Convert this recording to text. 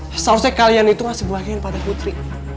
seharusnya kalian itu masih berharian pada putri